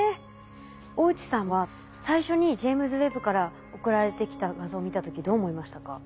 大内さんは最初にジェイムズ・ウェッブから送られてきた画像を見た時どう思いましたか？